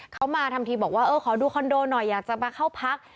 เขามาทำทีบอกว่าเออขอดูคอนโดหน่อยอยากจะมาเข้าพัก